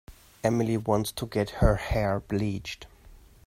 Emily wants to get her hair bleached.